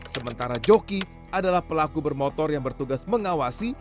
sementara joki adalah pelaku bermotor yang bertugas mengawasi